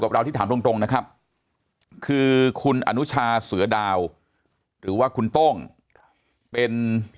เราที่ถามตรงนะครับคือคุณอนุชาเสือดาวหรือว่าคุณโต้งเป็น